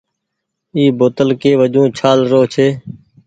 اي بوتل ڪي وجون ڇآل رو ڇي ۔